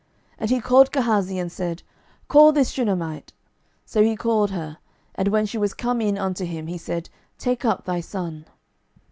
12:004:036 And he called Gehazi, and said, Call this Shunammite. So he called her. And when she was come in unto him, he said, Take up thy son.